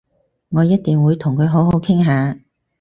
我一定會同佢好好傾下